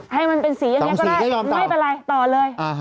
ให้มันเป็นสีอย่างนี้ก็ได้ต่อเลย